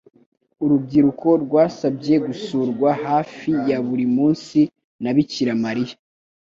Urubyiruko rwasabye gusurwa hafi ya buri munsi na Bikira Mariya